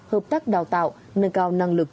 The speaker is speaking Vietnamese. hợp tác đào tạo nâng cao năng lực